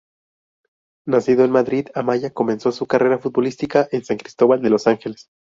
Nacido en Madrid, Amaya comenzó su carrera futbolística en San Cristóbal de los Ángeles.